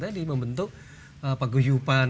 tadi membentuk paguyupan